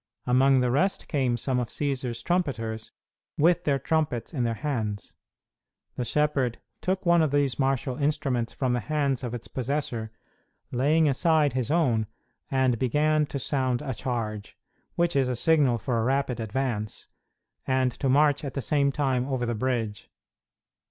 Among the rest came some of Cćsar's trumpeters, with their trumpets in their hands. The shepherd took one of these martial instruments from the hands of its possessor, laying aside his own, and began to sound a charge which is a signal for a rapid advance and to march at the same time over the bridge.